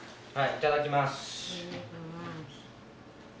いただきます。